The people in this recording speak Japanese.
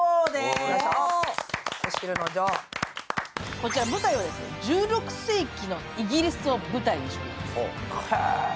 こちら舞台は１６世紀のイギリスを舞台にしています。